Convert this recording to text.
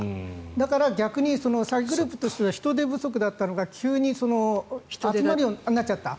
だから逆に詐欺グループとしては人手不足だったのが急に人手が集まるようになっちゃった。